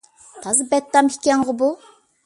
تازا بەتتام ئىكەنغۇ بۇ.